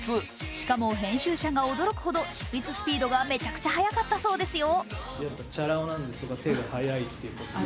しかも、編集者が驚くほど執筆スピードがめちゃくちゃ早かったそうですよ。